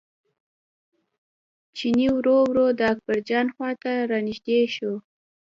چیني ورو ورو د اکبرجان خواته را نژدې شو.